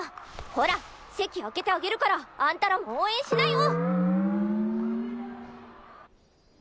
ほら席空けてあげるからあんたらも応援しなよ！